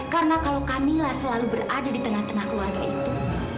karena kalau kamila selalu berada di tengah tengah keluarga itu